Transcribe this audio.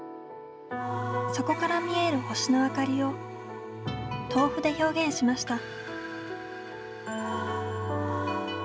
そこから見える星の明かりを豆腐で表現しました。